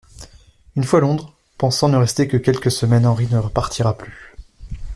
Une fois à Londres, pensant ne rester que quelques semaines, Henry ne repartira plus.